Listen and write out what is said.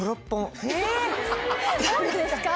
何でですか？